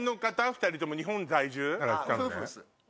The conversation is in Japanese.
２人とも日本在住？